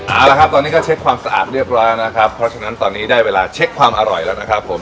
เอาละครับตอนนี้ก็เช็คความสะอาดเรียบร้อยนะครับเพราะฉะนั้นตอนนี้ได้เวลาเช็คความอร่อยแล้วนะครับผม